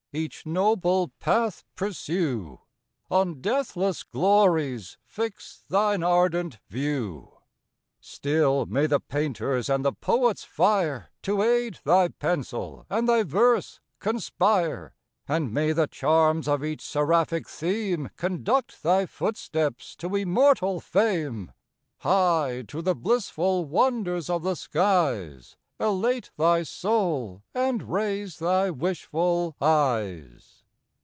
each noble path pursue, On deathless glories fix thine ardent view: Still may the painter's and the poet's fire To aid thy pencil, and thy verse conspire! And may the charms of each seraphic theme Conduct thy footsteps to immortal fame! High to the blissful wonders of the skies Elate thy soul, and raise thy wishful eyes.